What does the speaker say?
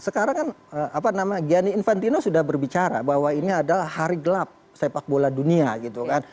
sekarang kan apa nama gianni infantino sudah berbicara bahwa ini adalah hari gelap sepak bola dunia gitu kan